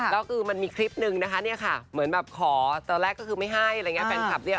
แล้วคือมันมีคลิปนึงนะคะเนี่ยค่ะเหมือนแบบขอตอนแรกก็คือไม่ให้อะไรอย่างนี้แฟนคลับเนี่ย